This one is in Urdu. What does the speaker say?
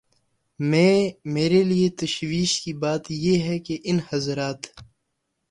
میں میرے لیے تشویش کی بات یہ ہے کہ ان حضرات